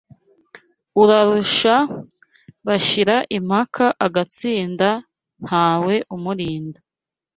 Urarusha, bashira impaka Agatsinda ntawe umurinda